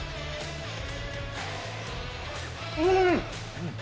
うん！